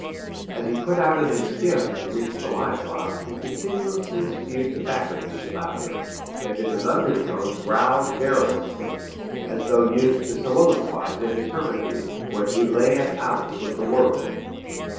As he put out in his skiff to reach the live box, he continuously spewed tobacco juice about him, and in an undertone growled garrulously, as though used to soliloquize in his hermitage, where he lay at outs with the world.